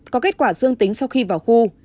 có kết quả dương tính sau khi vào khu